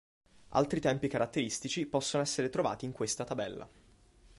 Altri tempi caratteristici possono essere trovati in questa tabella.